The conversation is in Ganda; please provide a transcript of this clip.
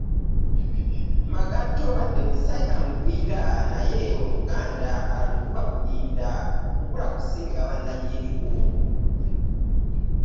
Magatto wadde musajja mugwira naye oluganda alukuba budinda kubula kusinga ba nnyini lwo.